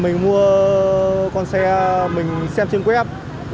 mình mua con xe mình xem trên web